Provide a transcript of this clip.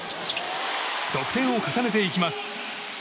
得点を重ねていきます。